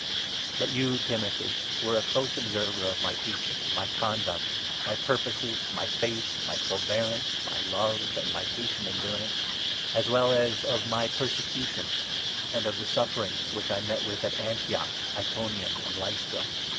But you, Timothy, were a 10 close observer of my teaching, my conduct, my purposes, my faith, my forbearance, my love, and my patient endurance, as n well as of my persecutions, and of the sufferings which I met with at Antioch, Iconium, and Lystra.